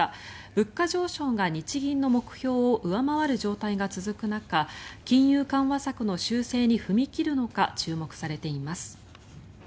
物価上昇が日銀の目標を上回る状態が続く中金融緩和策の修正に踏み切るのか注目されています。